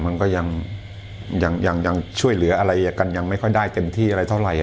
มันก็ยังช่วยเหลืออะไรกันยังไม่ค่อยได้เต็มที่อะไรเท่าไหร่